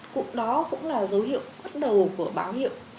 cũng đó cũng là dấu hiệu bắt đầu của báo hiệu